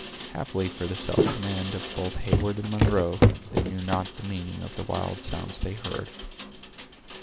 Happily for the self command of both Heyward and Munro, they knew not the meaning of the wild sounds they heard.